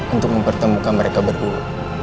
untuk mempertemukan mereka berdua